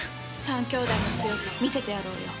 三兄妹の強さを見せてやろうよ。